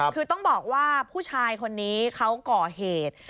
คือต้องบอกว่าผู้ชายคนนี้เขาก่อเหตุ